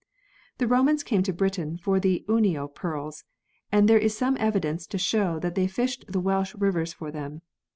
The Romans came to Britain for the Unio pearls and there is some evidence to show that they fished the Welsh rivers for them.